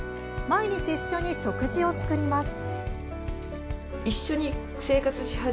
毎日一緒に食事を作ります。